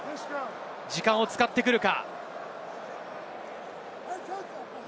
時間を使ってくるか？